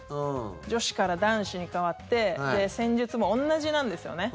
女子から男子に変わって戦術も同じなんですよね。